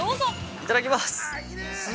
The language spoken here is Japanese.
◆いただきます。